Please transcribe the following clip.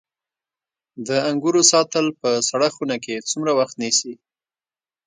د انګورو ساتل په سړه خونه کې څومره وخت نیسي؟